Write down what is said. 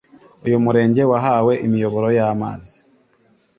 Uyu murenge wahawe imiyoboro y'amazi